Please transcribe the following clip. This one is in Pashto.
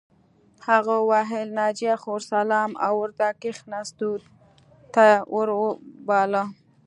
هغه وویل ناجیه خور سلام او ورته کښېناستلو ته ور وبلله